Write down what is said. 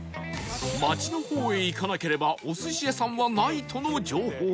街の方へ行かなければお寿司屋さんはないとの情報が